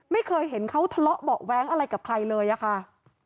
ไม่เคยเห็นเขาทะเลาะเบาะแว้งอะไรกับใครเลยอะค่ะ